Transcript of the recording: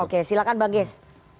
oke silahkan pak gies